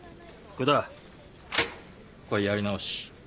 福田これやり直し。